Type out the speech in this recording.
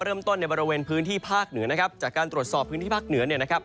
ในบริเวณพื้นที่ภาคเหนือนะครับจากการตรวจสอบพื้นที่ภาคเหนือเนี่ยนะครับ